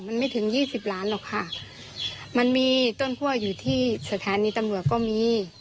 มันไม่ถึงยี่สิบล้านหรอกค่ะมันมีต้นคั่วอยู่ที่สถานีตำรวจก็มี